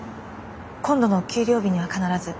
今度の給料日には必ず。